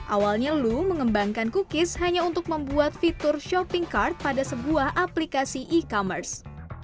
awalnya loo mengembangkan cookies hanya untuk membuat fitur shopping card pada sebuah aplikasi e commerce